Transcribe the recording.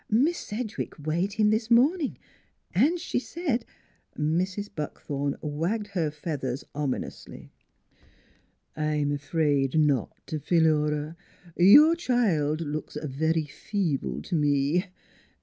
"Miss Sedgewick weighed him this morning, and she said " Mrs. Buckthorn wagged her feathers omi nously. " I'm afraid not, Phi lura. Your child looks very feeble t' me.